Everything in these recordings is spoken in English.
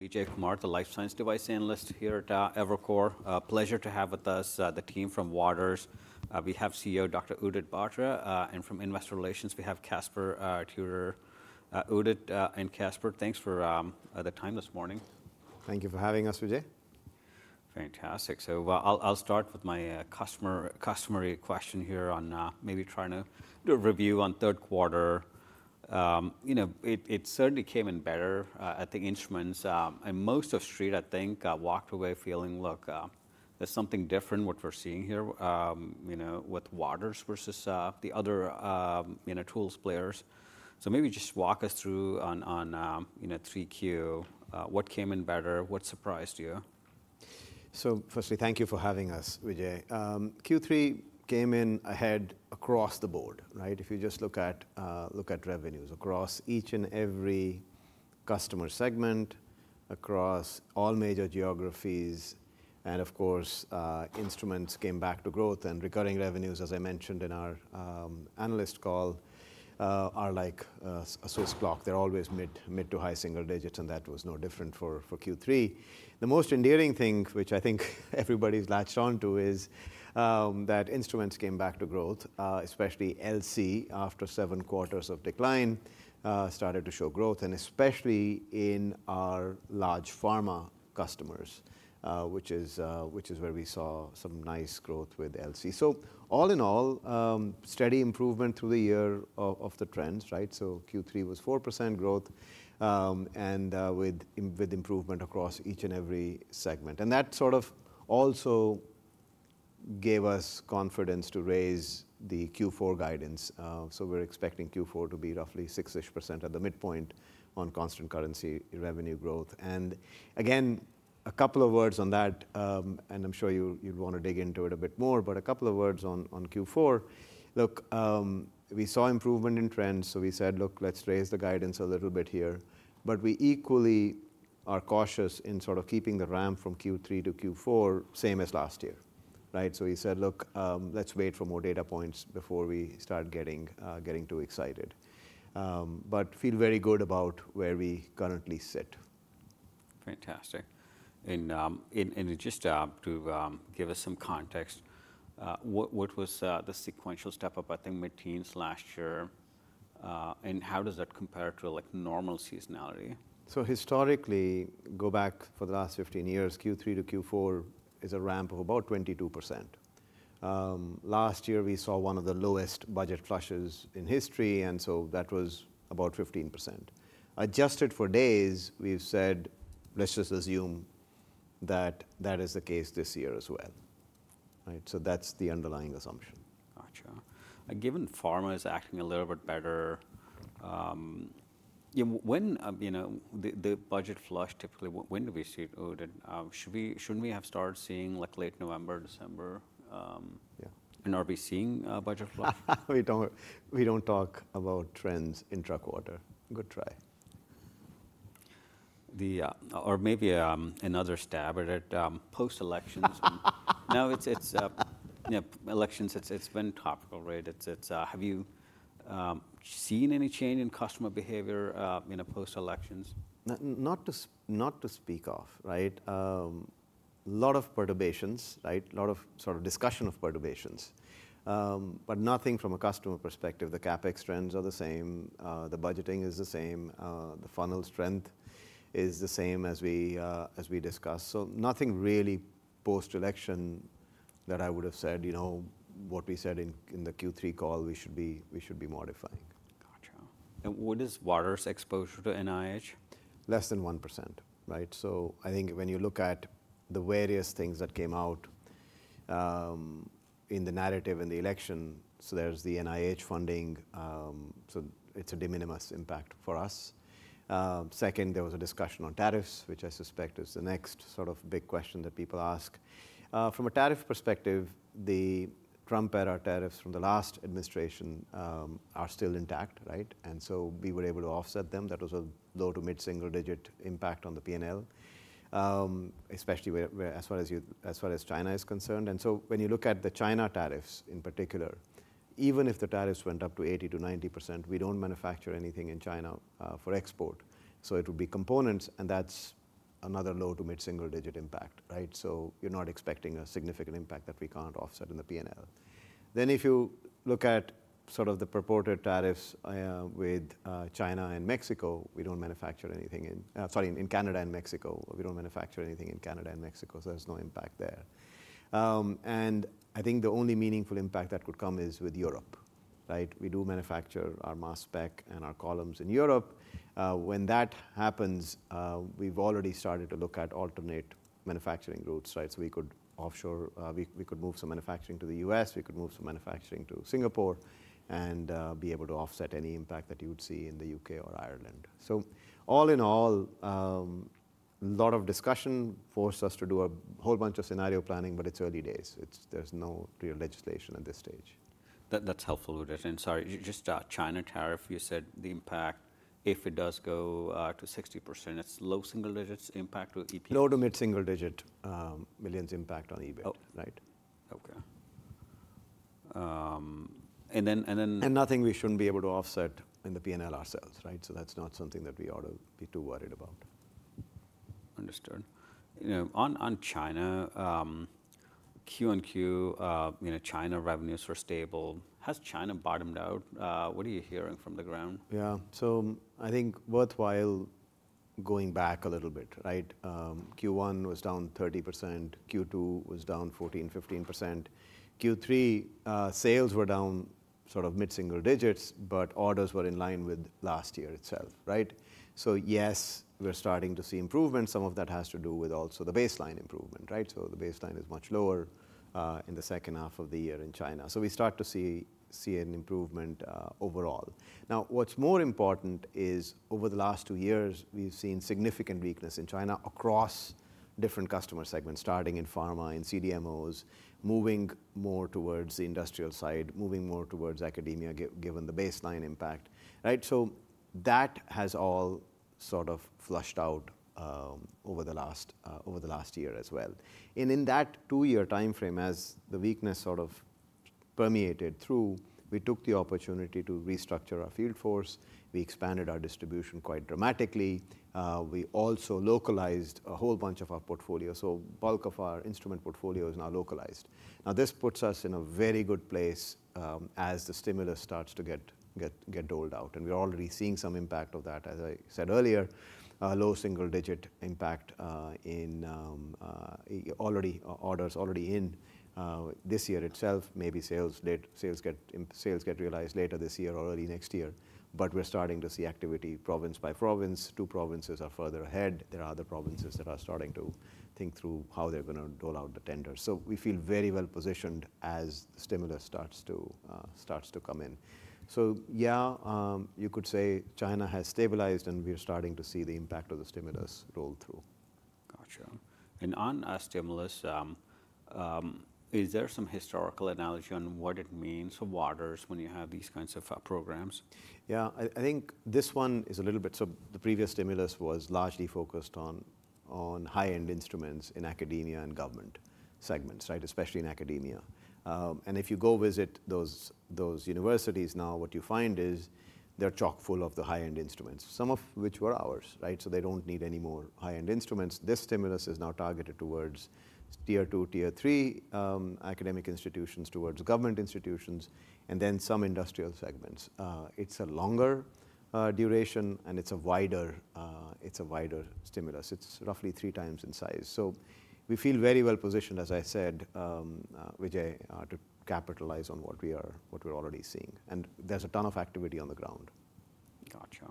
Vijay Kumar, the Life Science Device Analyst here at Evercore ISI. Pleasure to have with us the team from Waters. We have CEO Dr. Udit Batra, and from Investor Relations we have Caspar Tudor. Udit and Caspar, thanks for the time this morning. Thank you for having us, Vijay. Fantastic. So I'll start with my customary question here on maybe trying to do a review on third quarter. You know, it certainly came in better. I think instruments and most of Street, I think, walked away feeling, "Look, there's something different in what we're seeing here with Waters versus the other tool players." So maybe just walk us through on 3Q, what came in better, what surprised you? So firstly, thank you for having us, Vijay. Q3 came in ahead across the board, right? If you just look at revenues across each and every customer segment, across all major geographies, and of course, instruments came back to growth. And recurring revenues, as I mentioned in our analyst call, are like a Swiss clock. They're always mid to high single digits, and that was no different for Q3. The most endearing thing, which I think everybody's latched onto, is that instruments came back to growth, especially LC after seven quarters of decline, started to show growth, and especially in our large pharma customers, which is where we saw some nice growth with LC. So all in all, steady improvement through the year of the trends, right? So Q3 was 4% growth and with improvement across each and every segment. And that sort of also gave us confidence to raise the Q4 guidance. So we're expecting Q4 to be roughly 6% at the midpoint on constant currency revenue growth. And again, a couple of words on that, and I'm sure you'd want to dig into it a bit more, but a couple of words on Q4. Look, we saw improvement in trends, so we said, "Look, let's raise the guidance a little bit here." But we equally are cautious in sort of keeping the ramp from Q3 to Q4 same as last year, right? So we said, "Look, let's wait for more data points before we start getting too excited." But feel very good about where we currently sit. Fantastic. And just to give us some context, what was the sequential step-up I think mid-teens last year, and how does that compare to normal seasonality? Historically, go back for the last 15 years, Q3 to Q4 is a ramp of about 22%. Last year, we saw one of the lowest budget flushes in history, and so that was about 15%. Adjusted for days, we've said, "Let's just assume that that is the case this year as well." That's the underlying assumption. Gotcha. Given pharma is acting a little bit better, when the budget flush, typically when do we see it, Udit? Shouldn't we have started seeing late November, December? Yeah. Are we seeing a budget flush? We don't talk about trends in Waters. Good try. Or maybe another stab at it post-elections. Now, elections, it's been topical, right? Have you seen any change in customer behavior post-elections? Not to speak of, right? A lot of perturbations, right? A lot of sort of discussion of perturbations, but nothing from a customer perspective. The CapEx trends are the same. The budgeting is the same. The funnel strength is the same as we discussed. So nothing really post-election that I would have said, you know, what we said in the Q3 call we should be modifying. Gotcha. And what is Waters' exposure to NIH? Less than 1%, right? So I think when you look at the various things that came out in the narrative in the election, so there's the NIH funding, so it's a de minimis impact for us. Second, there was a discussion on tariffs, which I suspect is the next sort of big question that people ask. From a tariff perspective, the Trump-era tariffs from the last administration are still intact, right? And so we were able to offset them. That was a low to mid-single digit impact on the P&L, especially as far as China is concerned. And so when you look at the China tariffs in particular, even if the tariffs went up to 80%-90%, we don't manufacture anything in China for export. So it would be components, and that's another low to mid-single digit impact, right? So you're not expecting a significant impact that we can't offset in the P&L. Then if you look at sort of the purported tariffs with China and Mexico, we don't manufacture anything in, sorry, in Canada and Mexico. We don't manufacture anything in Canada and Mexico, so there's no impact there. And I think the only meaningful impact that could come is with Europe, right? We do manufacture our mass spec and our columns in Europe. When that happens, we've already started to look at alternate manufacturing routes, right? So we could offshore, we could move some manufacturing to the U.S., we could move some manufacturing to Singapore, and be able to offset any impact that you would see in the U.K. or Ireland. So all in all, a lot of discussion forced us to do a whole bunch of scenario planning, but it's early days. There's no real legislation at this stage. That's helpful, Udit. And sorry, just China tariff, you said the impact, if it does go to 60%, it's low single digit impact to EP? Low- to mid-single-digit millions impact on EBIT, right? Okay. Nothing we shouldn't be able to offset in the P&L ourselves, right? So that's not something that we ought to be too worried about. Understood. On China, Q1, you know, China revenues were stable. Has China bottomed out? What are you hearing from the ground? Yeah. So I think worthwhile going back a little bit, right? Q1 was down 30%. Q2 was down 14%, 15%. Q3 sales were down sort of mid-single digits, but orders were in line with last year itself, right? So yes, we're starting to see improvement. Some of that has to do with also the baseline improvement, right? So the baseline is much lower in the second half of the year in China. So we start to see an improvement overall. Now, what's more important is over the last two years, we've seen significant weakness in China across different customer segments, starting in pharma, in CDMOs, moving more towards the industrial side, moving more towards academia, given the baseline impact, right? So that has all sort of flushed out over the last year as well. And in that two-year timeframe, as the weakness sort of permeated through, we took the opportunity to restructure our field force. We expanded our distribution quite dramatically. We also localized a whole bunch of our portfolio. So bulk of our instrument portfolio is now localized. Now, this puts us in a very good place as the stimulus starts to get doled out. And we're already seeing some impact of that, as I said earlier, low single-digit impact in orders already, already in this year itself. Maybe sales get realized later this year or early next year, but we're starting to see activity province by province. Two provinces are further ahead. There are other provinces that are starting to think through how they're going to dole out the tenders. So we feel very well positioned as the stimulus starts to come in. So yeah, you could say China has stabilized, and we're starting to see the impact of the stimulus roll through. Gotcha. And on stimulus, is there some historical analogy on what it means for Waters when you have these kinds of programs? Yeah. I think this one is a little bit, so the previous stimulus was largely focused on high-end instruments in academia and government segments, right? Especially in academia. And if you go visit those universities now, what you find is they're chock full of the high-end instruments, some of which were ours, right? So they don't need any more high-end instruments. This stimulus is now targeted towards tier two, tier three academic institutions, towards government institutions, and then some industrial segments. It's a longer duration, and it's a wider stimulus. It's roughly three times in size. So we feel very well positioned, as I said, Vijay, to capitalize on what we're already seeing. And there's a ton of activity on the ground. Gotcha.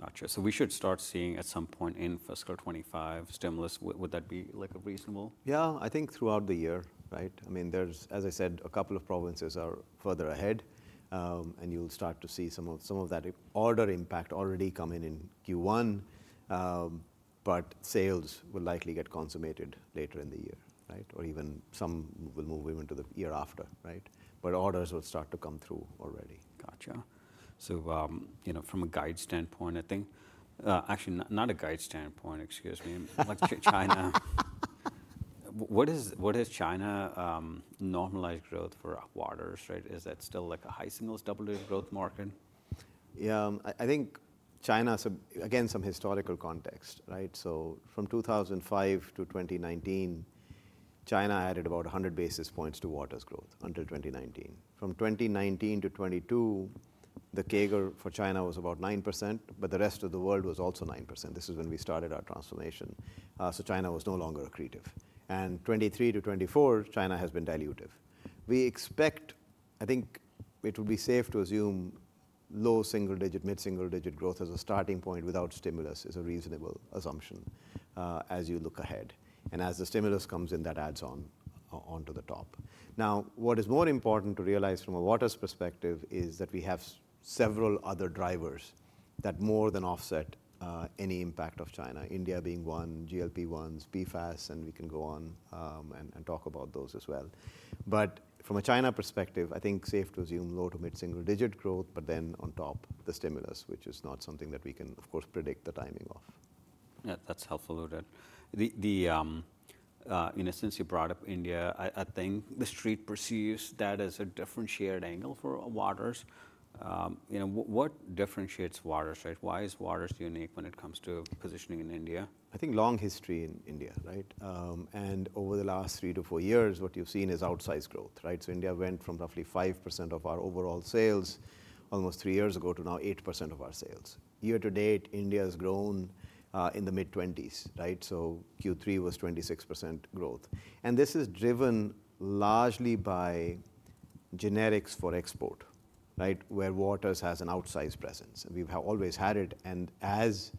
Gotcha. So we should start seeing at some point in fiscal 25 stimulus. Would that be like a reasonable? Yeah. I think throughout the year, right? I mean, as I said, a couple of provinces are further ahead, and you'll start to see some of that order impact already come in in Q1. But sales will likely get consummated later in the year, right? Or even some will move even to the year after, right? But orders will start to come through already. Gotcha. So from a guide standpoint, I think. Actually, not a guide standpoint, excuse me, like China. What has China normalized growth for Waters, right? Is that still like a high single double digit growth market? Yeah. I think China, again, some historical context, right? So from 2005-2019, China added about 100 basis points to Waters' growth until 2019. From 2019-2022, the CAGR for China was about 9%, but the rest of the world was also 9%. This is when we started our transformation. So China was no longer accretive. And 2023-2024, China has been dilutive. We expect. I think it would be safe to assume low single digit, mid-single digit growth as a starting point without stimulus is a reasonable assumption as you look ahead. And as the stimulus comes in, that adds on to the top. Now, what is more important to realize from a Waters perspective is that we have several other drivers that more than offset any impact of China, India being one, GLP-1s, PFAS, and we can go on and talk about those as well. But from a China perspective, I think it's safe to assume low- to mid-single-digit growth, but then on top of the stimulus, which is not something that we can, of course, predict the timing of. Yeah. That's helpful, Udit. In a sense you brought up India, I think the street perceives that as a different shared angle for Waters. What differentiates Waters, right? Why is Waters unique when it comes to positioning in India? I think long history in India, right? And over the last three to four years, what you've seen is outsized growth, right? So India went from roughly 5% of our overall sales almost three years ago to now 8% of our sales. Year to date, India has grown in the mid-20s, right? So Q3 was 26% growth. And this is driven largely by generics for export, right? Where Waters has an outsized presence. We've always had it. And as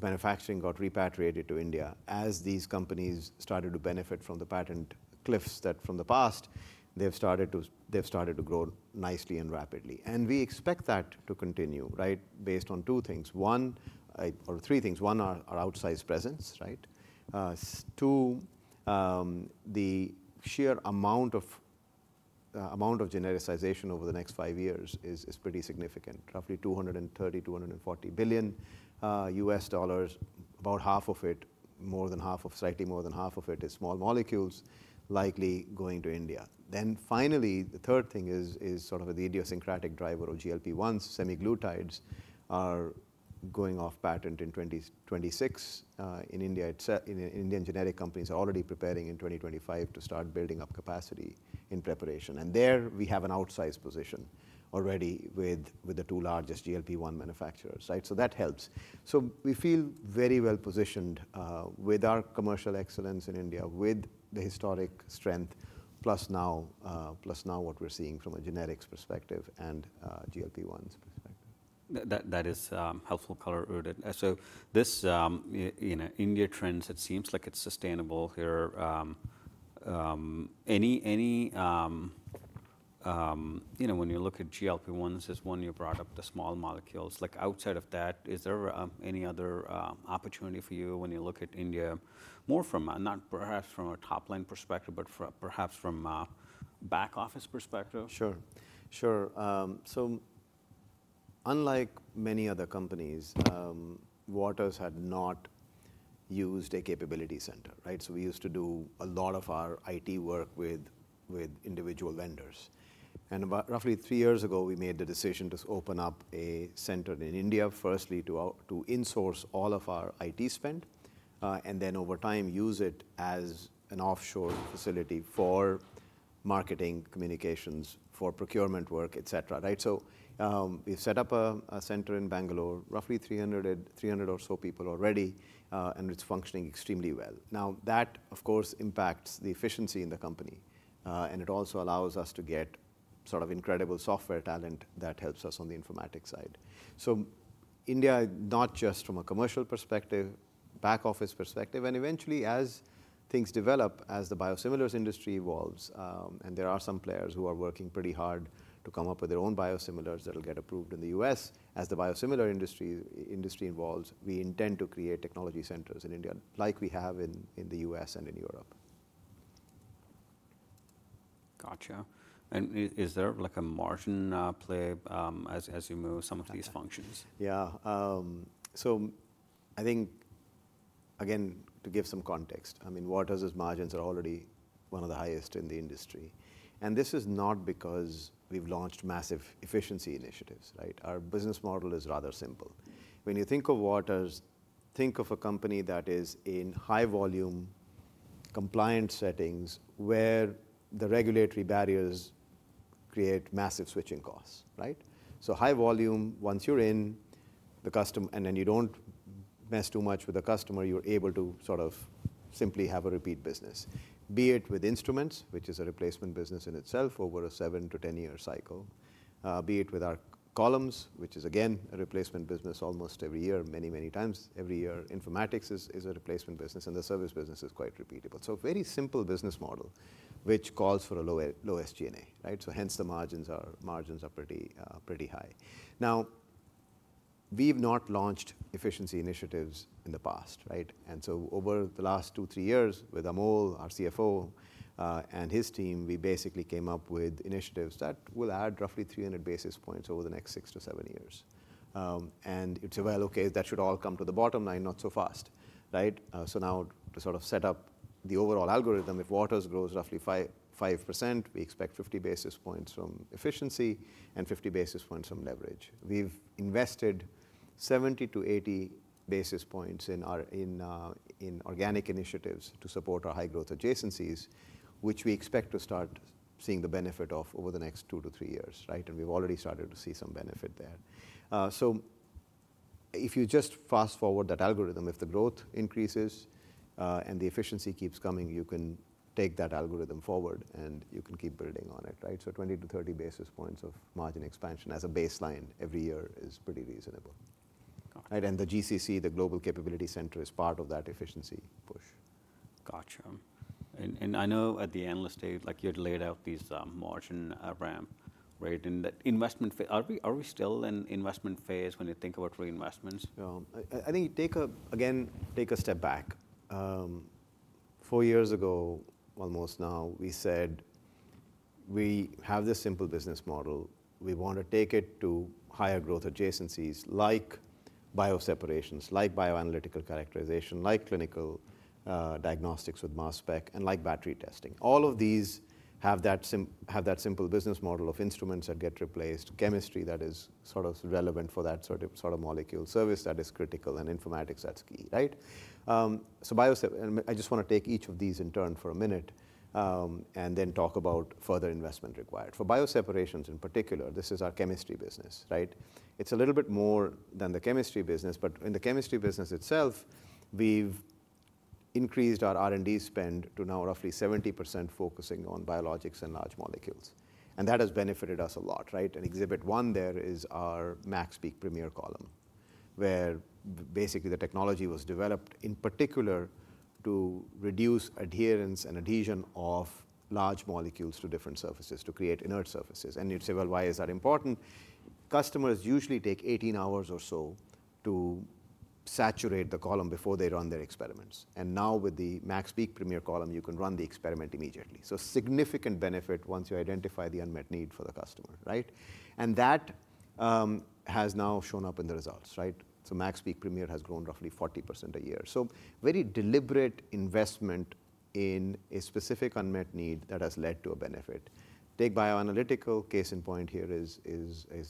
manufacturing got repatriated to India, as these companies started to benefit from the patent cliffs that from the past, they've started to grow nicely and rapidly. And we expect that to continue, right? Based on two things. One, or three things. One are outsized presence, right? Two, the sheer amount of genericization over the next five years is pretty significant. Roughly $230-$240 billion, about half of it, more than half of, slightly more than half of it is small molecules likely going to India. Then finally, the third thing is sort of the idiosyncratic driver of GLP-1s, semaglutides are going off patent in 2026 in India. Indian generic companies are already preparing in 2025 to start building up capacity in preparation. And there we have an outsized position already with the two largest GLP-1 manufacturers, right? So that helps. So we feel very well positioned with our commercial excellence in India, with the historic strength, plus now what we're seeing from a generics perspective and GLP-1s perspective. That is helpful color, Udit. So this India trends, it seems like it's sustainable here. Any, you know, when you look at GLP-1s, this one you brought up, the small molecules, like outside of that, is there any other opportunity for you when you look at India more from, not perhaps from a top line perspective, but perhaps from a back office perspective? Sure. Sure. So unlike many other companies, Waters had not used a capability center, right? So we used to do a lot of our IT work with individual vendors. And roughly three years ago, we made the decision to open up a center in India, firstly to insource all of our IT spend, and then over time use it as an offshore facility for marketing, communications, for procurement work, et cetera, right? So we've set up a center in Bangalore, roughly 300 or so people already, and it's functioning extremely well. Now that, of course, impacts the efficiency in the company. And it also allows us to get sort of incredible software talent that helps us on the informatics side. So India, not just from a commercial perspective, back office perspective, and eventually as things develop, as the biosimilars industry evolves, and there are some players who are working pretty hard to come up with their own biosimilars that will get approved in the U.S., as the biosimilar industry evolves, we intend to create technology centers in India like we have in the U.S. and in Europe. Gotcha. And is there like a margin play as you move some of these functions? Yeah. So I think, again, to give some context, I mean, Waters' margins are already one of the highest in the industry. And this is not because we've launched massive efficiency initiatives, right? Our business model is rather simple. When you think of Waters, think of a company that is in high volume compliance settings where the regulatory barriers create massive switching costs, right? So high volume, once you're in the customer, and then you don't mess too much with the customer, you're able to sort of simply have a repeat business, be it with instruments, which is a replacement business in itself over a seven-10 year cycle, be it with our columns, which is again a replacement business almost every year, many, many times every year. Informatics is a replacement business, and the service business is quite repeatable. So very simple business model, which calls for a low SG&A, right? So hence the margins are pretty high. Now, we've not launched efficiency initiatives in the past, right? And so over the last two-three years with Amol, our CFO, and his team, we basically came up with initiatives that will add roughly 300 basis points over the next six-seven years. And it's well, okay, that should all come to the bottom line, not so fast, right? So now to sort of set up the overall algorithm, if Waters grows roughly 5%, we expect 50 basis points from efficiency and 50 basis points from leverage. We've invested 70-80 basis points in organic initiatives to support our high growth adjacencies, which we expect to start seeing the benefit of over the next two-three years, right? And we've already started to see some benefit there. So if you just fast forward that algorithm, if the growth increases and the efficiency keeps coming, you can take that algorithm forward and you can keep building on it, right? So 20 to 30 basis points of margin expansion as a baseline every year is pretty reasonable. And the GCC, the Global Capability Center, is part of that efficiency push. Gotcha. And I know at the end of the stage, like you had laid out these margin ramp, right? And that investment, are we still in investment phase when you think about reinvestments? Yeah. I think again, take a step back. Four years ago almost now, we said we have this simple business model. We want to take it to higher growth adjacencies like bioseparations, like bioanalytical characterization, like clinical diagnostics with mass spec, and like battery testing. All of these have that simple business model of instruments that get replaced, chemistry that is sort of relevant for that sort of molecule, service that is critical, and informatics that's key, right? So I just want to take each of these in turn for a minute and then talk about further investment required. For bioseparations in particular, this is our chemistry business, right? It's a little bit more than the chemistry business, but in the chemistry business itself, we've increased our R&D spend to now roughly 70% focusing on biologics and large molecules. And that has benefited us a lot, right? Exhibit 1 there is our MaxPeak Premier column, where basically the technology was developed in particular to reduce adherence and adhesion of large molecules to different surfaces to create inert surfaces. You'd say, well, why is that important? Customers usually take 18 hours or so to saturate the column before they run their experiments. Now with the MaxPeak Premier column, you can run the experiment immediately. So significant benefit once you identify the unmet need for the customer, right? That has now shown up in the results, right? MaxPeak Premier has grown roughly 40% a year. Very deliberate investment in a specific unmet need that has led to a benefit. Take bioanalytical, case in point here is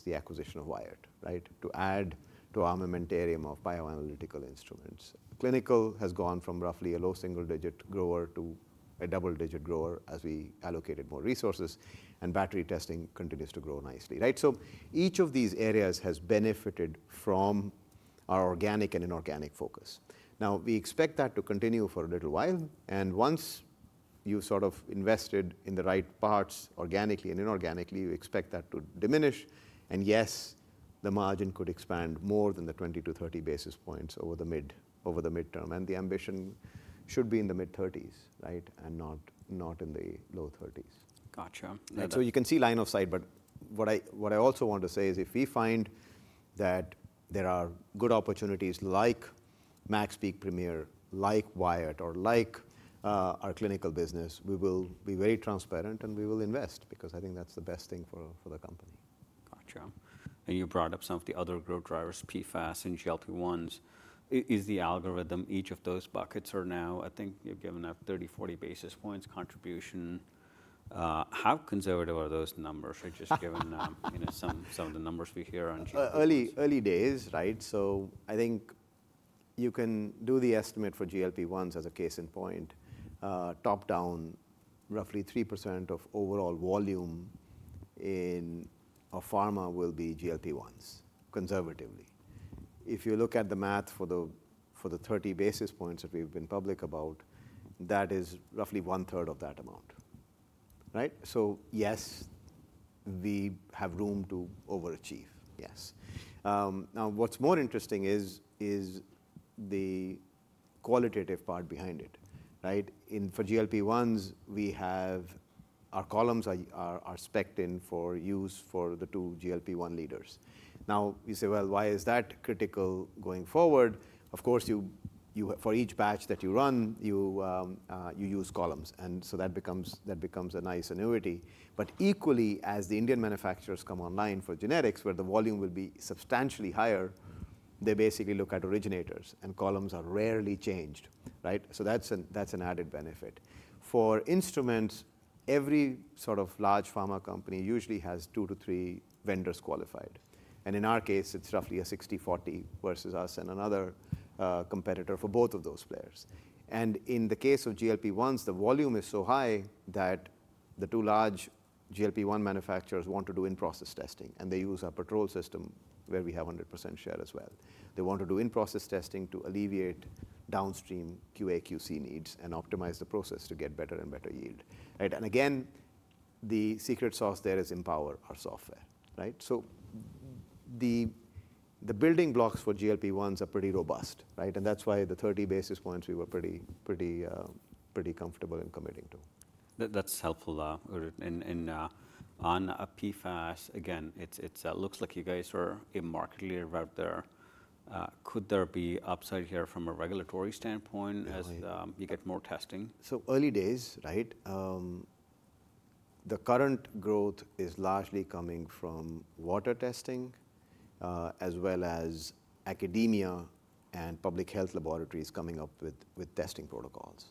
the acquisition of Wyatt, right? To add to our armamentarium of bioanalytical instruments. Clinical has gone from roughly a low single digit grower to a double digit grower as we allocated more resources. And battery testing continues to grow nicely, right? So each of these areas has benefited from our organic and inorganic focus. Now we expect that to continue for a little while. And once you've sort of invested in the right parts organically and inorganically, you expect that to diminish. And yes, the margin could expand more than the 20 to 30 basis points over the midterm. And the ambition should be in the mid 30s, right? And not in the low 30s. Gotcha. You can see line of sight, but what I also want to say is if we find that there are good opportunities like MaxPeak Premier, like Wyatt, or like our clinical business, we will be very transparent and we will invest because I think that's the best thing for the company. Gotcha. And you brought up some of the other growth drivers, PFAS and GLP-1s. Is the allocation, each of those buckets are now, I think you've given out 30, 40 basis points contribution. How conservative are those numbers? I just heard some of the numbers we hear on GLP-1s. Early days, right? So I think you can do the estimate for GLP-1s as a case in point. Top down, roughly 3% of overall volume in a pharma will be GLP-1s conservatively. If you look at the math for the 30 basis points that we've been public about, that is roughly one third of that amount, right? So yes, we have room to overachieve. Yes. Now what's more interesting is the qualitative part behind it, right? For GLP-1s, we have our columns are spec'd in for use for the two GLP-1 leaders. Now you say, well, why is that critical going forward? Of course, for each batch that you run, you use columns. And so that becomes a nice annuity. but equally, as the Indian manufacturers come online for generics, where the volume will be substantially higher, they basically look at originators and columns are rarely changed, right? So that's an added benefit. For instruments, every sort of large pharma company usually has two to three vendors qualified. And in our case, it's roughly a 60-40 versus us and another competitor for both of those players. And in the case of GLP-1s, the volume is so high that the two large GLP-1 manufacturers want to do in-process testing. And they use our Patrol system where we have 100% share as well. They want to do in-process testing to alleviate downstream QA/QC needs and optimize the process to get better and better yield. And again, the secret sauce there is Empower, our software, right? So the building blocks for GLP-1s are pretty robust, right? That's why the 30 basis points we were pretty comfortable in committing to. That's helpful. And on PFAS, again, it looks like you guys are a market leader out there. Could there be upside here from a regulatory standpoint as you get more testing? So early days, right? The current growth is largely coming from water testing as well as academia and public health laboratories coming up with testing protocols,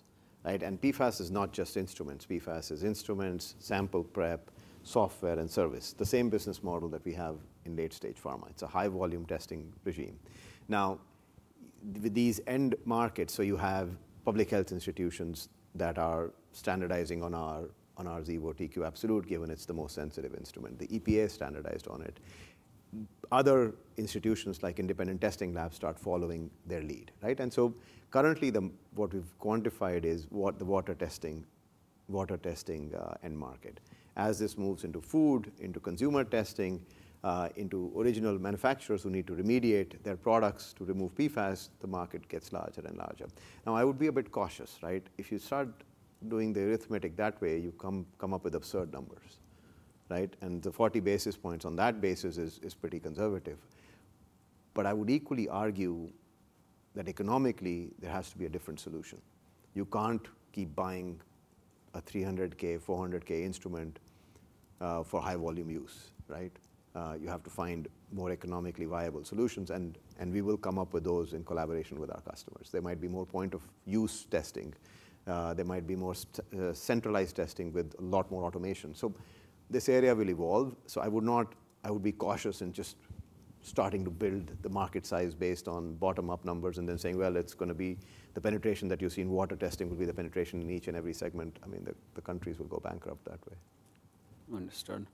right? And PFAS is not just instruments. PFAS is instruments, sample prep, software, and service. The same business model that we have in late stage pharma. It's a high volume testing regime. Now with these end markets, so you have public health institutions that are standardizing on our Xevo TQ Absolute, given it's the most sensitive instrument. The EPA standardized on it. Other institutions like independent testing labs start following their lead, right? And so currently what we've quantified is what the water testing end market. As this moves into food, into consumer testing, into original manufacturers who need to remediate their products to remove PFAS, the market gets larger and larger. Now I would be a bit cautious, right? If you start doing the arithmetic that way, you come up with absurd numbers, right? And the 40 basis points on that basis is pretty conservative. But I would equally argue that economically there has to be a different solution. You can't keep buying a $300,000, $400,000 instrument for high volume use, right? You have to find more economically viable solutions. And we will come up with those in collaboration with our customers. There might be more point of use testing. There might be more centralized testing with a lot more automation. So this area will evolve. So I would be cautious in just starting to build the market size based on bottom up numbers and then saying, well, it's going to be the penetration that you see in water testing will be the penetration in each and every segment. I mean, the countries will go bankrupt that way. Understood.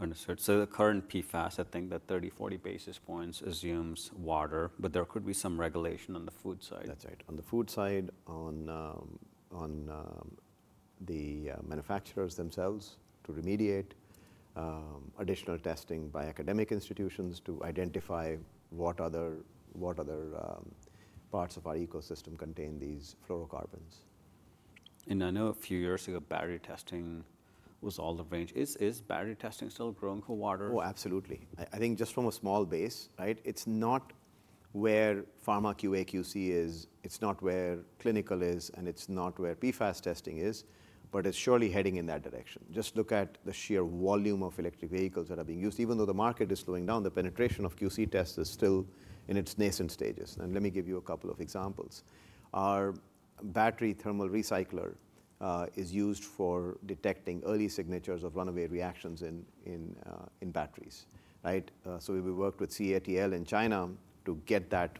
Understood. So the current PFAS, I think that 30-40 basis points assumes Waters, but there could be some regulation on the food side. That's right. On the food side, on the manufacturers themselves to remediate, additional testing by academic institutions to identify what other parts of our ecosystem contain these fluorocarbons. I know a few years ago battery testing was all the rage. Is battery testing still growing for Waters? Oh, absolutely. I think just from a small base, right? It's not where pharma QA/QC is, it's not where clinical is, and it's not where PFAS testing is, but it's surely heading in that direction. Just look at the sheer volume of electric vehicles that are being used. Even though the market is slowing down, the penetration of QC tests is still in its nascent stages. And let me give you a couple of examples. Our battery thermal recycler is used for detecting early signatures of runaway reactions in batteries, right? So we worked with CATL in China to get that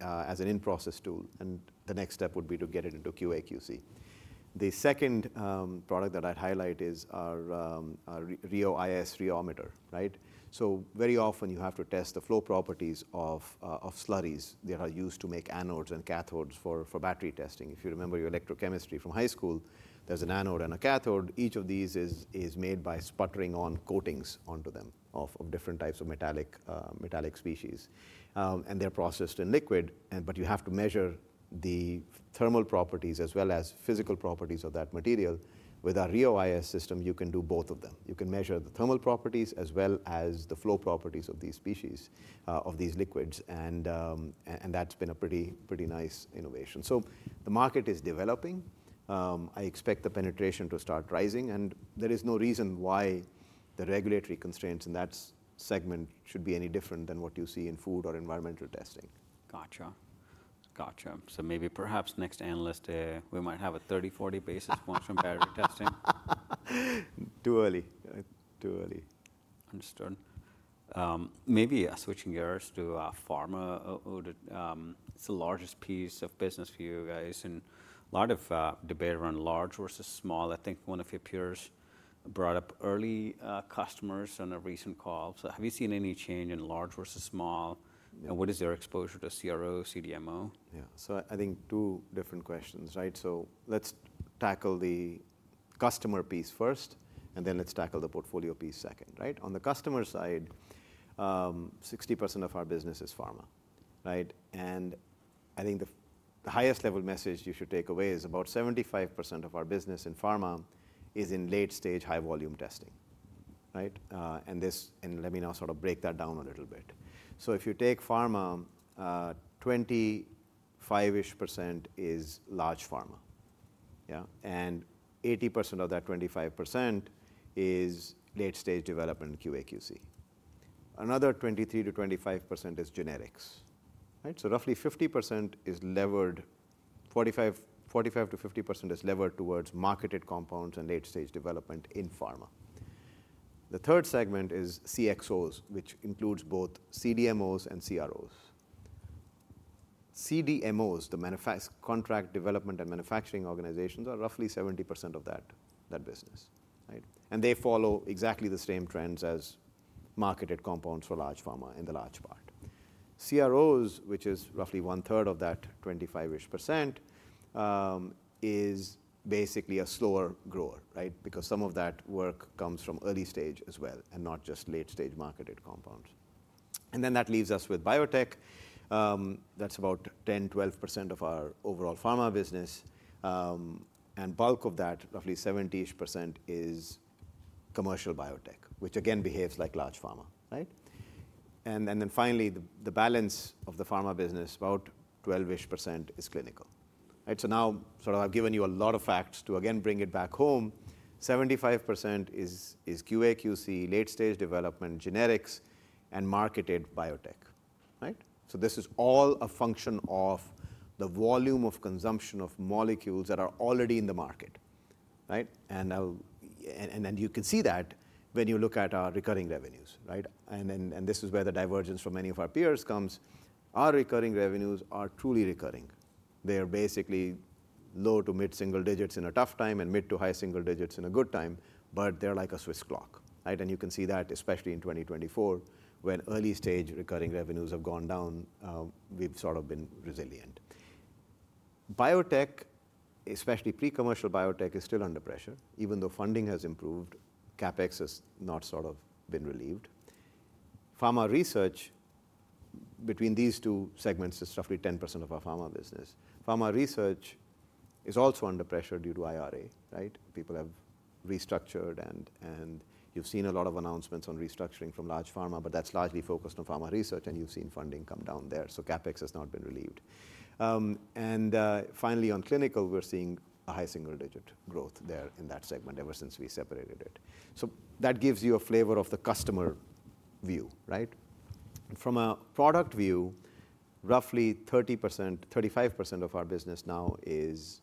as an in-process tool. And the next step would be to get it into QA/QC. The second product that I'd highlight is our Rheo-IS rheometer, right? Very often you have to test the flow properties of slurries that are used to make anodes and cathodes for battery testing. If you remember your electrochemistry from high school, there's an anode and a cathode. Each of these is made by sputtering on coatings onto them of different types of metallic species. And they're processed in liquid, but you have to measure the thermal properties as well as physical properties of that material. With our Rheo-IS system, you can do both of them. You can measure the thermal properties as well as the flow properties of these species, of these liquids. And that's been a pretty nice innovation. So the market is developing. I expect the penetration to start rising. And there is no reason why the regulatory constraints in that segment should be any different than what you see in food or environmental testing. Gotcha. Gotcha. So maybe perhaps next Analyst Day, we might have a 30-40 basis points from battery testing. Too early. Too early. Understood. Maybe switching gears to pharma. It's the largest piece of business for you guys. And a lot of debate around large versus small. I think one of your peers brought up early customers on a recent call. So have you seen any change in large versus small? And what is your exposure to CRO, CDMO? Yeah. So I think two different questions, right? So let's tackle the customer piece first, and then let's tackle the portfolio piece second, right? On the customer side, 60% of our business is pharma, right? And I think the highest level message you should take away is about 75% of our business in pharma is in late stage high volume testing, right? And let me now sort of break that down a little bit. So if you take pharma, 25% is large pharma, yeah? And 80% of that 25% is late stage development QA/QC. Another 23%-25% is generics, right? So roughly 50% is levered, 45%-50% is levered towards marketed compounds and late stage development in pharma. The third segment is CXOs, which includes both CDMOs and CROs. CDMOs, the contract development and manufacturing organizations, are roughly 70% of that business, right? They follow exactly the same trends as marketed compounds for large pharma in large part. CROs, which is roughly one third of that 25%, is basically a slower grower, right? Because some of that work comes from early stage as well and not just late stage marketed compounds. And then that leaves us with biotech. That's about 10-12% of our overall pharma business. And bulk of that, roughly 70-ish%, is commercial biotech, which again behaves like large pharma, right? And then finally, the balance of the pharma business, about 12%, is clinical, right? So now sort of I've given you a lot of facts to again bring it back home. 75% is QA/QC, late-stage development, generics, and marketed biotech, right? So this is all a function of the volume of consumption of molecules that are already in the market, right? You can see that when you look at our recurring revenues, right? This is where the divergence from many of our peers comes. Our recurring revenues are truly recurring. They are basically low to mid single digits in a tough time and mid to high single digits in a good time, but they're like a Swiss clock, right? You can see that especially in 2024 when early stage recurring revenues have gone down, we've sort of been resilient. Biotech, especially pre-commercial biotech, is still under pressure. Even though funding has improved, CapEx has not sort of been relieved. Pharma research, between these two segments, is roughly 10% of our pharma business. Pharma research is also under pressure due to IRA, right? People have restructured and you've seen a lot of announcements on restructuring from large pharma, but that's largely focused on pharma research and you've seen funding come down there. So CapEx has not been relieved. And finally, on clinical, we're seeing a high single-digit growth there in that segment ever since we separated it. So that gives you a flavor of the customer view, right? From a product view, roughly 30%-35% of our business now is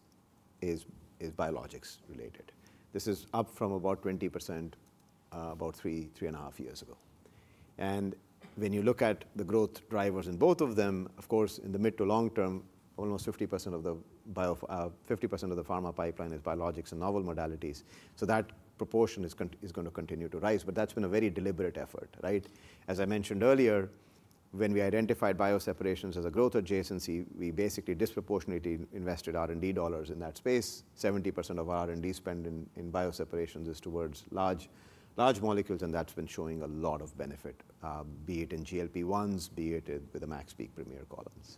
biologics related. This is up from about 20% about three, three and a half years ago. And when you look at the growth drivers in both of them, of course, in the mid to long term, almost 50% of the pharma pipeline is biologics and novel modalities. So that proportion is going to continue to rise, but that's been a very deliberate effort, right? As I mentioned earlier, when we identified bio separations as a growth adjacency, we basically disproportionately invested R&D dollars in that space. 70% of our R&D spend in bio separations is towards large molecules, and that's been showing a lot of benefit, be it in GLP-1s, be it with the MaxPeak Premier columns.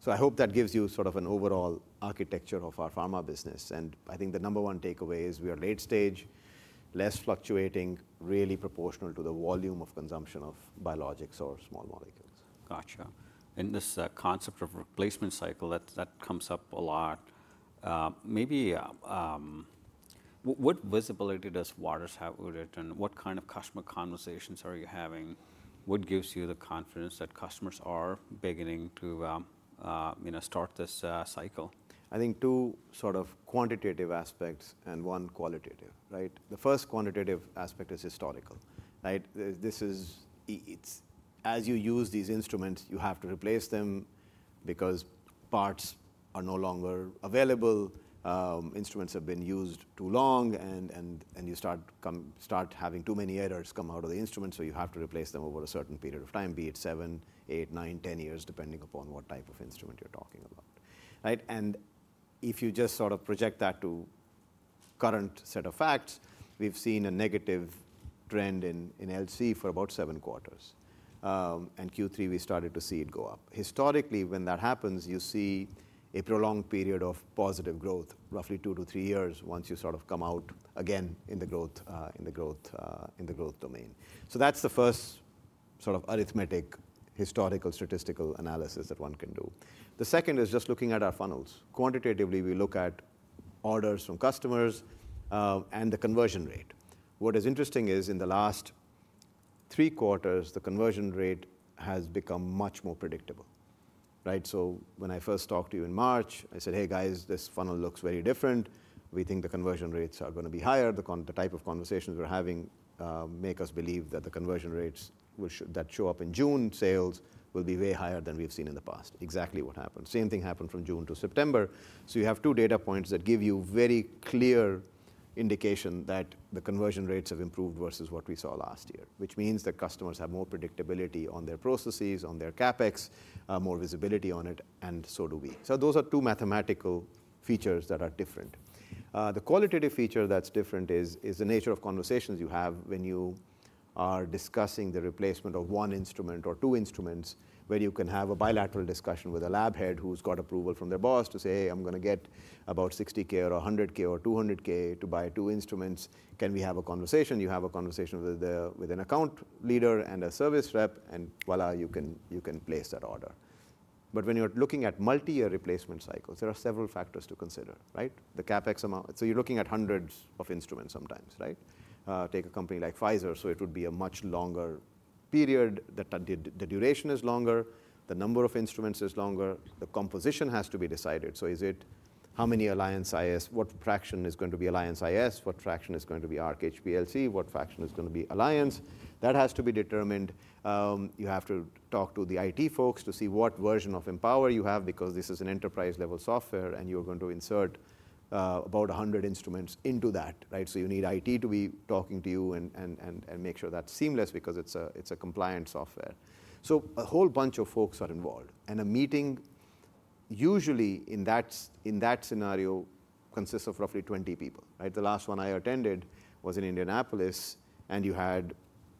So I hope that gives you sort of an overall architecture of our pharma business. And I think the number one takeaway is we are late stage, less fluctuating, really proportional to the volume of consumption of biologics or small molecules. Gotcha. And this concept of replacement cycle, that comes up a lot. Maybe what visibility does Waters have with it? And what kind of customer conversations are you having? What gives you the confidence that customers are beginning to start this cycle? I think two sort of quantitative aspects and one qualitative, right? The first quantitative aspect is historical, right? As you use these instruments, you have to replace them because parts are no longer available. Instruments have been used too long and you start having too many errors come out of the instrument. So you have to replace them over a certain period of time, be it seven, eight, nine, ten years, depending upon what type of instrument you're talking about, right? And if you just sort of project that to current set of facts, we've seen a negative trend in LC for about seven quarters. And Q3, we started to see it go up. Historically, when that happens, you see a prolonged period of positive growth, roughly two to three years once you sort of come out again in the growth domain. So that's the first sort of arithmetic, historical, statistical analysis that one can do. The second is just looking at our funnels. Quantitatively, we look at orders from customers and the conversion rate. What is interesting is in the last three quarters, the conversion rate has become much more predictable, right? So when I first talked to you in March, I said, "Hey guys, this funnel looks very different. We think the conversion rates are going to be higher." The type of conversations we're having make us believe that the conversion rates that show up in June sales will be way higher than we've seen in the past. Exactly what happened. Same thing happened from June to September. So you have two data points that give you very clear indication that the conversion rates have improved versus what we saw last year, which means that customers have more predictability on their processes, on their CapEx, more visibility on it, and so do we. So those are two mathematical features that are different. The qualitative feature that's different is the nature of conversations you have when you are discussing the replacement of one instrument or two instruments, where you can have a bilateral discussion with a lab head who's got approval from their boss to say, "Hey, I'm going to get about $60,000 or $100,000 or $200,000 to buy two instruments. Can we have a conversation?" You have a conversation with an account leader and a service rep, and voilà, you can place that order. But when you're looking at multi-year replacement cycles, there are several factors to consider, right? The CapEx amount. So you're looking at hundreds of instruments sometimes, right? Take a company like Pfizer. So it would be a much longer period. The duration is longer. The number of instruments is longer. The composition has to be decided. So is it how many Alliance iS? What fraction is going to be Alliance iS? What fraction is going to be Arc HPLC? What fraction is going to be Alliance? That has to be determined. You have to talk to the IT folks to see what version of Empower you have because this is an enterprise-level software and you're going to insert about 100 instruments into that, right? So you need IT to be talking to you and make sure that's seamless because it's a compliant software. A whole bunch of folks are involved. A meeting usually in that scenario consists of roughly 20 people, right? The last one I attended was in Indianapolis, and you had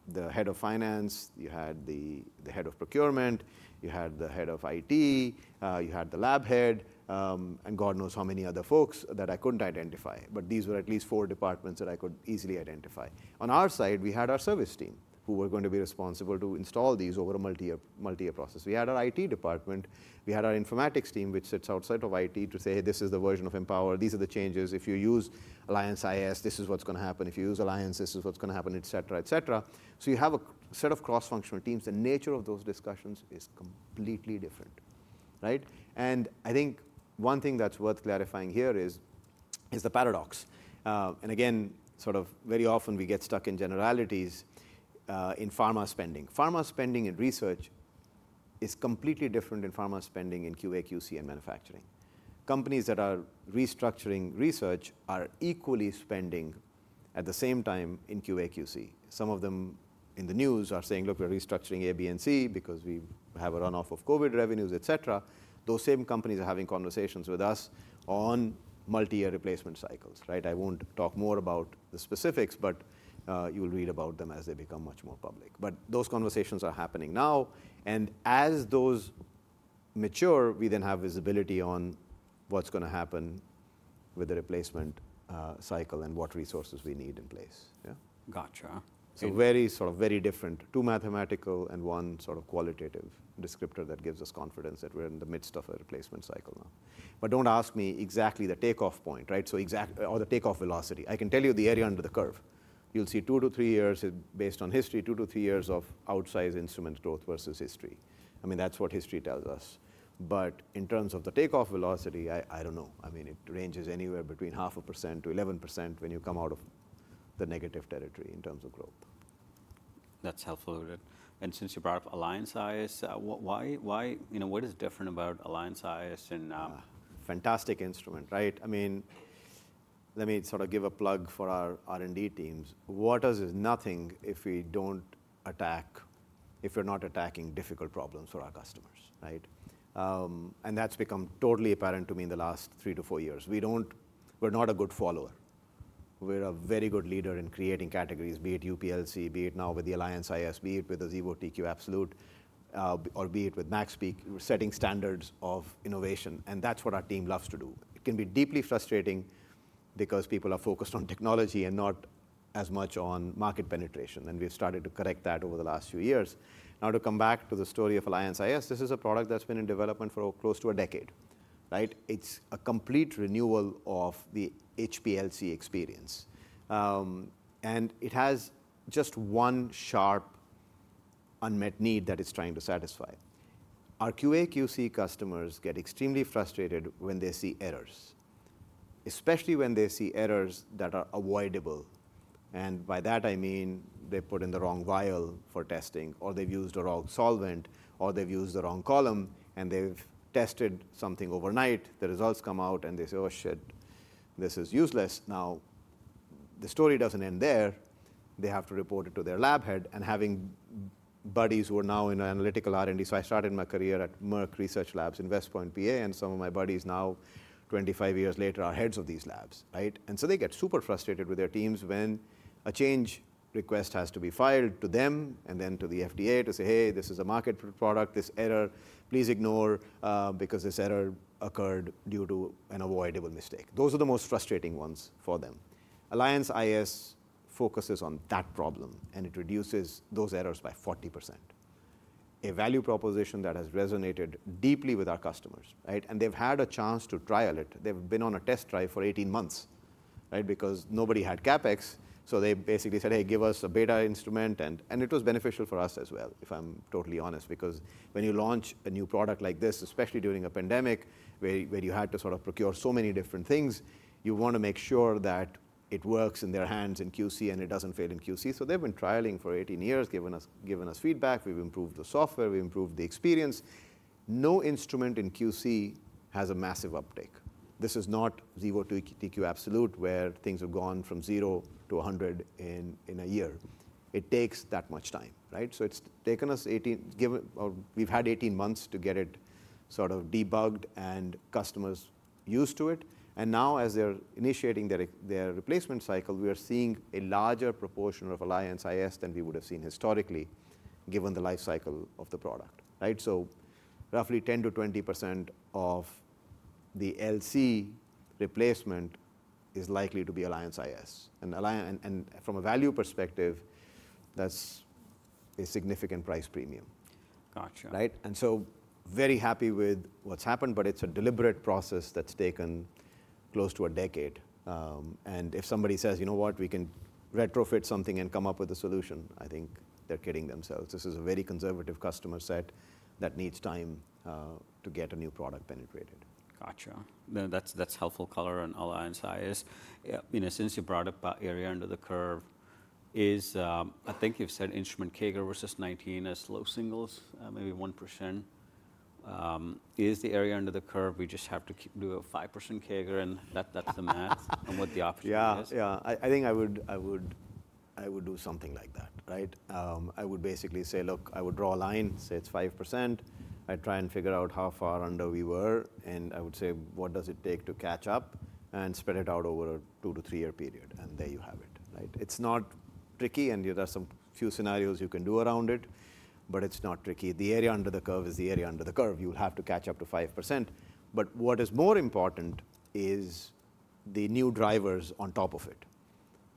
the head of finance, you had the head of procurement, you had the head of IT, you had the lab head, and God knows how many other folks that I couldn't identify. But these were at least four departments that I could easily identify. On our side, we had our service team who were going to be responsible to install these over a multi-year process. We had our IT department. We had our informatics team, which sits outside of IT to say, "Hey, this is the version of Empower. These are the changes. If you use Alliance iS, this is what's going to happen. If you use Alliance, this is what's going to happen," et cetera, et cetera. So you have a set of cross-functional teams. The nature of those discussions is completely different, right? And I think one thing that's worth clarifying here is the paradox. And again, sort of very often we get stuck in generalities in pharma spending. Pharma spending in research is completely different than pharma spending in QA QC and manufacturing. Companies that are restructuring research are equally spending at the same time in QA QC. Some of them in the news are saying, "Look, we're restructuring A, B, and C because we have a runoff of COVID revenues," et cetera. Those same companies are having conversations with us on multi-year replacement cycles, right? I won't talk more about the specifics, but you'll read about them as they become much more public. But those conversations are happening now. As those mature, we then have visibility on what's going to happen with the replacement cycle and what resources we need in place, yeah? Gotcha. Very sort of different, two mathematical and one sort of qualitative descriptor that gives us confidence that we're in the midst of a replacement cycle now. But don't ask me exactly the takeoff point, right? Or the takeoff velocity. I can tell you the area under the curve. You'll see two to three years based on history, two to three years of outsized instrument growth versus history. I mean, that's what history tells us. But in terms of the takeoff velocity, I don't know. I mean, it ranges anywhere between 0.5% to 11% when you come out of the negative territory in terms of growth. That's helpful, and since you brought up Alliance iS, what is different about Alliance iS and. Fantastic instrument, right? I mean, let me sort of give a plug for our R&D teams. Waters is nothing if we don't attack, if we're not attacking difficult problems for our customers, right? And that's become totally apparent to me in the last three to four years. We're not a good follower. We're a very good leader in creating categories, be it UPLC, be it now with the Alliance iS, be it with the Xevo TQ Absolute, or be it with MaxPeak. We're setting standards of innovation, and that's what our team loves to do. It can be deeply frustrating because people are focused on technology and not as much on market penetration. And we've started to correct that over the last few years. Now to come back to the story of Alliance iS, this is a product that's been in development for close to a decade, right? It's a complete renewal of the HPLC experience. And it has just one sharp unmet need that it's trying to satisfy. Our QA/QC customers get extremely frustrated when they see errors, especially when they see errors that are avoidable. And by that, I mean they've put in the wrong vial for testing, or they've used the wrong solvent, or they've used the wrong column, and they've tested something overnight. The results come out and they say, "Oh shit, this is useless." Now the story doesn't end there. They have to report it to their lab head. And having buddies who are now in analytical R&D, so I started my career at Merck Research Labs in West Point, PA, and some of my buddies now, 25 years later, are heads of these labs, right? And so they get super frustrated with their teams when a change request has to be filed to them and then to the FDA to say, "Hey, this is a market product. This error, please ignore because this error occurred due to an avoidable mistake." Those are the most frustrating ones for them. Alliance iS focuses on that problem, and it reduces those errors by 40%. A value proposition that has resonated deeply with our customers, right? And they've had a chance to trial it. They've been on a test drive for 18 months, right? Because nobody had CapEx. They basically said, "Hey, give us a beta instrument." It was beneficial for us as well, if I'm totally honest, because when you launch a new product like this, especially during a pandemic where you had to sort of procure so many different things, you want to make sure that it works in their hands in QC and it doesn't fail in QC. They've been trialing for 18 months, giving us feedback. We've improved the software. We've improved the experience. No instrument in QC has a massive uptake. This is not Xevo TQ Absolute where things have gone from zero to 100 in a year. It takes that much time, right? It's taken us 18. We've had 18 months to get it sort of debugged and customers used to it. Now as they're initiating their replacement cycle, we are seeing a larger proportion of Alliance iS than we would have seen historically given the lifecycle of the product, right? So roughly 10%-20% of the LC replacement is likely to be Alliance iS. And from a value perspective, that's a significant price premium, right? And so very happy with what's happened, but it's a deliberate process that's taken close to a decade. And if somebody says, "You know what, we can retrofit something and come up with a solution," I think they're kidding themselves. This is a very conservative customer set that needs time to get a new product penetrated. Gotcha. That's helpful color on Alliance iS. Since you brought up that area under the curve, I think you've said instrument CAGR versus 19 is low singles, maybe 1%. Is the area under the curve, we just have to do a 5% CAGR, and that's the math on what the opportunity is? Yeah, yeah. I think I would do something like that, right? I would basically say, "Look, I would draw a line, say it's 5%. I'd try and figure out how far under we were, and I would say, 'What does it take to catch up?' And spread it out over a two- to three-year period, and there you have it, right? It's not tricky, and there are some few scenarios you can do around it, but it's not tricky. The area under the curve is the area under the curve. You'll have to catch up to 5%. But what is more important is the new drivers on top of it,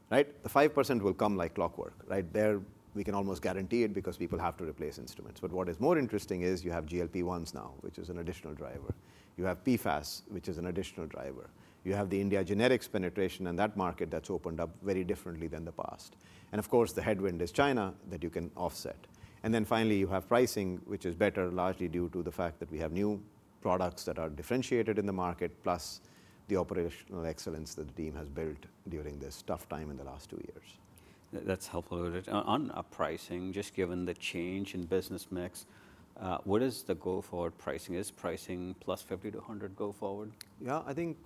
right? The 5% will come like clockwork, right? There we can almost guarantee it because people have to replace instruments. But what is more interesting is you have GLP-1s now, which is an additional driver. You have PFAS, which is an additional driver. You have the India generics penetration and that market that's opened up very differently than the past. And of course, the headwind is China that you can offset. And then finally, you have pricing, which is better largely due to the fact that we have new products that are differentiated in the market, plus the operational excellence that the team has built during this tough time in the last two years. That's helpful. On pricing, just given the change in business mix, what is the go-forward pricing? Is pricing plus 50-100 go-forward? Yeah, I think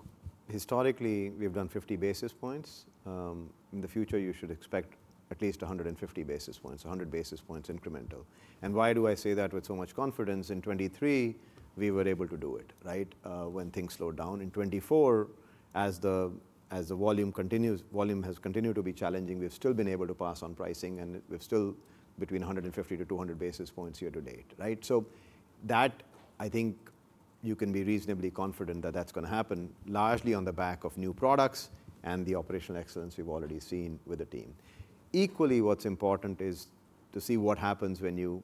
historically we've done 50 basis points. In the future, you should expect at least 150 basis points, 100 basis points incremental. And why do I say that with so much confidence? In 2023, we were able to do it, right, when things slowed down. In 2024, as the volume has continued to be challenging, we've still been able to pass on pricing, and we've still between 150-200 basis points year to date, right? So that, I think you can be reasonably confident that that's going to happen largely on the back of new products and the operational excellence we've already seen with the team. Equally, what's important is to see what happens when you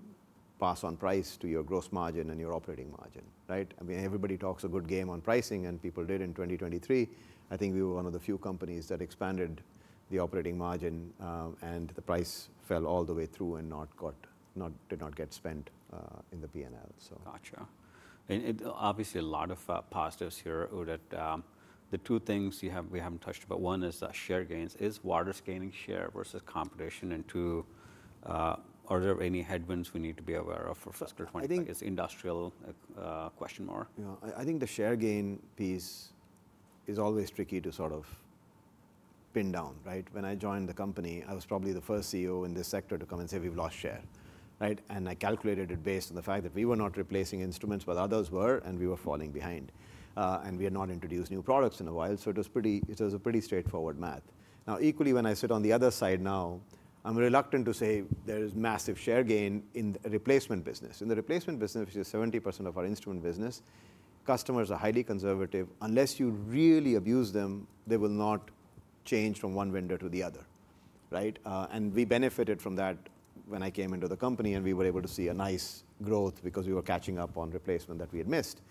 pass on price to your gross margin and your operating margin, right? I mean, everybody talks a good game on pricing, and people did in 2023. I think we were one of the few companies that expanded the operating margin, and the price fell all the way through and did not get spent in the P&L, so. Gotcha, and obviously, a lot of positives here, Udit. The two things we haven't touched about, one is share gains. Is Waters gaining share versus competition, and two, are there any headwinds we need to be aware of for fiscal 2023? It's an industrial question, Mark. Yeah, I think the share gain piece is always tricky to sort of pin down, right? When I joined the company, I was probably the first CEO in this sector to come and say, "We've lost share," right? And I calculated it based on the fact that we were not replacing instruments, but others were, and we were falling behind. And we had not introduced new products in a while, so it was a pretty straightforward math. Now, equally, when I sit on the other side now, I'm reluctant to say there is massive share gain in the replacement business. In the replacement business, which is 70% of our instrument business, customers are highly conservative. Unless you really abuse them, they will not change from one vendor to the other, right? We benefited from that when I came into the company, and we were able to see a nice growth because we were catching up on replacement that we had missed.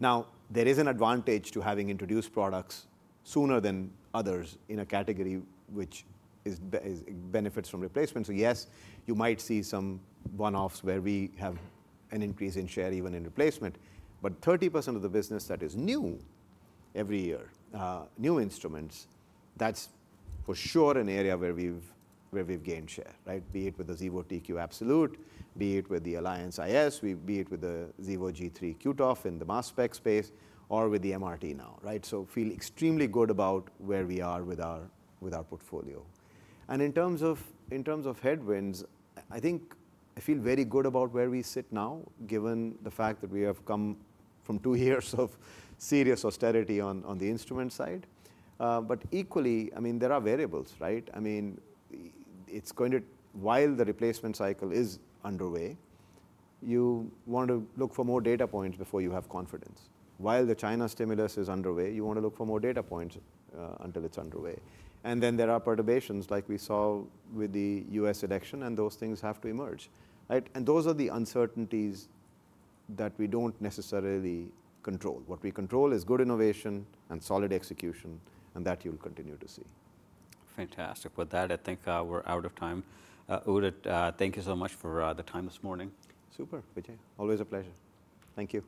Now, there is an advantage to having introduced products sooner than others in a category which benefits from replacement. So yes, you might see some one-offs where we have an increase in share even in replacement. But 30% of the business that is new every year, new instruments, that's for sure an area where we've gained share, right? Be it with the Xevo TQ Absolute, be it with the Alliance iS, be it with the Xevo G3 QTof in the mass spec space, or with the MRT now, right? So feel extremely good about where we are with our portfolio. And in terms of headwinds, I think I feel very good about where we sit now, given the fact that we have come from two years of serious austerity on the instrument side. But equally, I mean, there are variables, right? I mean, while the replacement cycle is underway, you want to look for more data points before you have confidence. While the China stimulus is underway, you want to look for more data points until it's underway. And then there are perturbations like we saw with the U.S. election, and those things have to emerge, right? And those are the uncertainties that we don't necessarily control. What we control is good innovation and solid execution, and that you'll continue to see. Fantastic. With that, I think we're out of time. Udit, thank you so much for the time this morning. Super, Vijay. Always a pleasure. Thank you.